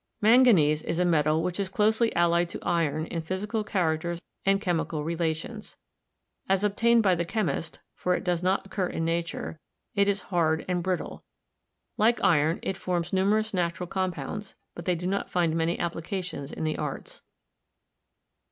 Manganese is a metal which is closely allied to iron in physical characters and chemical relations. As obtained by the chemist — for it does not occur in nature — it is hard and brittle. Like iron, it forms numerous natural com pounds, but they do not find many applications in the arts.